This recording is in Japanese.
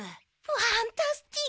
ファンタスティック！